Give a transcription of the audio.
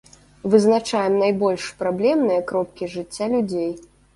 Вызначаем найбольш праблемныя кропкі жыцця людзей.